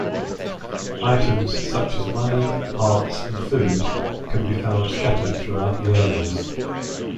Items such as money, hearts, and food can be found scattered throughout the areas.